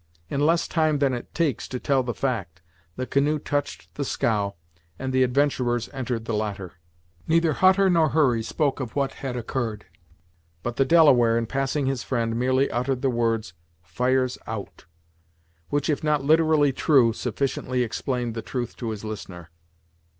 In less time than it takes to tell the fact, the canoe touched the scow, and the adventurers entered the latter. Neither Hutter nor Hurry spoke of what had occurred. But the Delaware, in passing his friend, merely uttered the words "fire's out," which, if not literally true, sufficiently explained the truth to his listener.